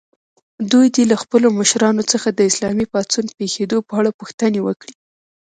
دوی دې له خپلو مشرانو څخه د اسلامي پاڅون پېښېدو په اړه پوښتنې وکړي.